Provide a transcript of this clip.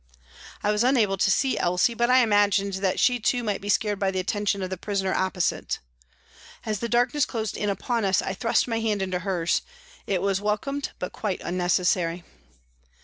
I was unable to see Elsie, but I imagined that she too might be scared by the attention of the prisoner opposite. As the darkness closed in upon us, I thrust my hand into hers ; it was welcomed, but quite unnecessary.